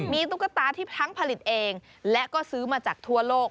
มีตุ๊กตาที่ทั้งผลิตเองและก็ซื้อมาจากทั่วโลก